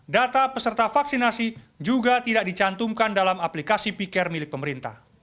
data peserta vaksinasi juga tidak dicantumkan dalam aplikasi p care milik pemerintah